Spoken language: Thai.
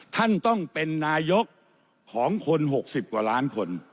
ท่านต้องเป็นนายกของคน๖๐กว่าล้านคน